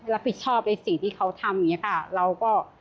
และผิดชอบในสิ่งที่เขาทำเราก็